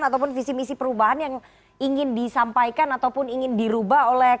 ataupun visi misi perubahan yang ingin disampaikan ataupun ingin dirubah oleh